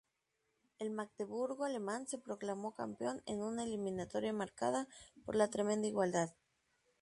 El Magdeburgo alemán se proclamó campeón en una eliminatoria marcada por la tremenda igualdad.